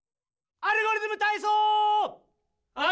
「アルゴリズムたいそう」！